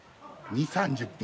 ２０３０分。